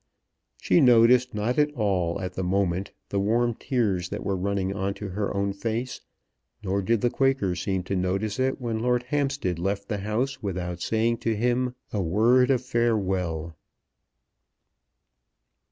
She noticed not at all at the moment the warm tears that were running on to her own face; nor did the Quaker seem to notice it when Lord Hampstead left the house without saying to him a word of farewell.